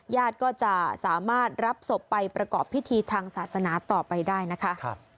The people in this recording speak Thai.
ญาติก็จะสามารถรับศพไปประกอบพิธีทางศาสนาต่อไปได้นะคะ